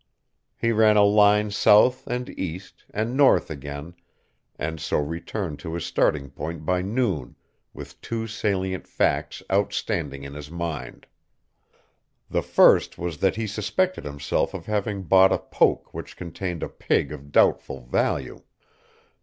He ran a line south and east and north again and so returned to his starting point by noon with two salient facts outstanding in his mind. The first was that he suspected himself of having bought a poke which contained a pig of doubtful value.